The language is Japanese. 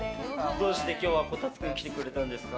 どうして今日は虎龍君が来てくれたんですか？